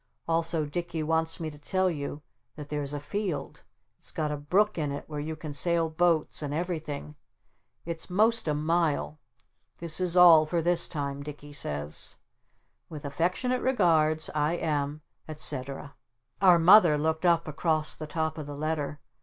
Also Dicky wants me to tell you that there's a field. It's got a brook in it where you can sail boats and everything. It's most a mile. This is all for this time Dicky says. "With affectionate regards, I am, etc. " Our Mother looked up across the top of the letter.